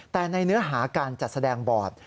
แต่ในเนื้อหาการจัดแสดงบอร์ด